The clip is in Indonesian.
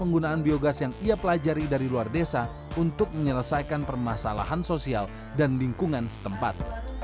penggunaan biogas yang ia pelajari dari luar desa untuk menyelesaikan permasalahan sosial dan lingkungan setempat